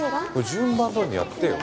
順番どおりにやってよ。